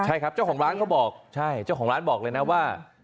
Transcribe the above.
ใช่ครับเจ้าของร้านเขาบอกใช่เจ้าของร้านบอกเลยนะว่า